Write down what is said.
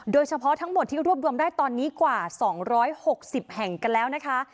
โดยเฉพาะทั้งหมดที่รวบรวมได้ตอนนี้กว่า๒๖๐แห่งกันแล้วนะคะ